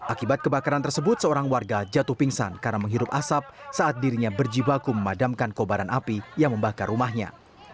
akibat kebakaran tersebut seorang warga jatuh pingsan karena menghirup asap saat dirinya berjibaku memadamkan kobaran api yang membakar rumahnya